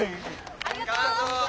ありがとう！